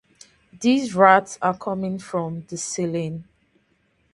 These rats are coming from the ceiling!